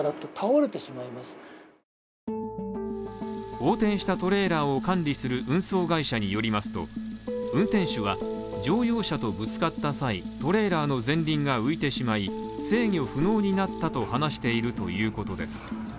横転したトレーラーを管理する運送会社によりますと、運転手は乗用車とぶつかった際、トレーラーの前輪が浮いてしまい、制御不能になったと話しているということです。